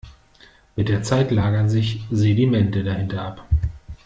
Mit der Zeit lagern sich Sedimente dahinter ab.